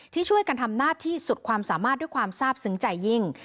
ที่ช่วยกันทำหน้าที่สุดความสามารถด้วยความทราบซึ้งใจยิ่ง